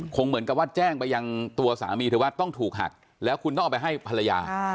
เหมือนกับว่าแจ้งไปยังตัวสามีเธอว่าต้องถูกหักแล้วคุณต้องเอาไปให้ภรรยา